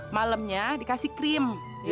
malamnya dikasih krim